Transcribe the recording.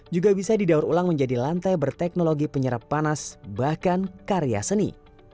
juga bisa didaur ulang menjadi lantai berteknologi penyerap panas bahkan karya seni